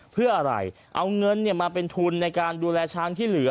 เพื่ออะไรเอาเงินมาเป็นทุนในการดูแลช้างที่เหลือ